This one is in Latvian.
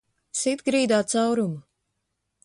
Sit grīdā caurumu!